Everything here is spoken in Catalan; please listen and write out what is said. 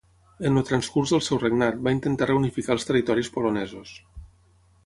En el transcurs del seu regnat, va intentar reunificar els territoris polonesos.